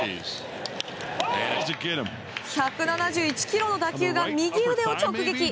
１７１キロの打球が右腕を直撃。